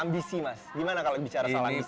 ambisi mas gimana kalau bicara soal ambisi